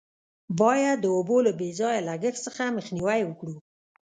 باید د اوبو له بې ځایه لگښت څخه مخنیوی وکړو.